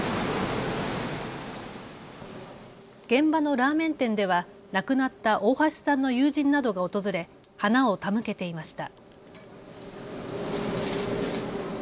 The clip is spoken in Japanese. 現場のラーメン店では亡くなった大橋さんの友人などが訪れ花を手向けていました。